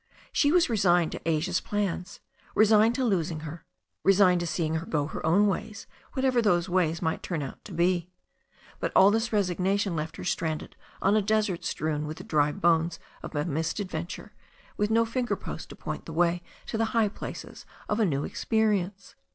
She was resigned to Asia's plans ; resigned to losing her; resigned to seeing her go her own ways, what ever those ways might turn out to be. But all this resigna tion left her stranded on a desert strewn with the dry bones of missed adventure, with no finger post to point the way to the high places of a new experience.